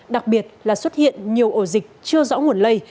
đặc biệt là xuất hiện nhiều ổ dịch chưa rõ nguồn lây